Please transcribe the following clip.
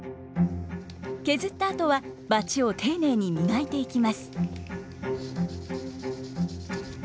削ったあとはバチを丁寧に磨いていきます。